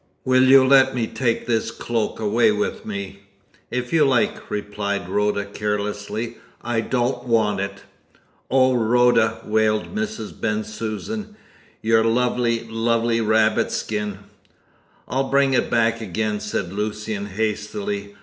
"Will you let me take this cloak away with me?" "If you like," replied Rhoda carelessly. "I don't want it.' "Oh, Rhoda!" wailed Mrs. Bensusan. "Your lovely, lovely rabbit skin!" "I'll bring it back again," said Lucian hastily.